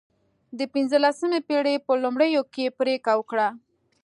د پنځلسمې پېړۍ په لومړیو کې پرېکړه وکړه.